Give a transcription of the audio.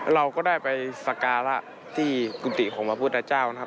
เราก็ได้ไปก๑๗๐๐นสการะที่กุฏิของพระพุทธเจ้า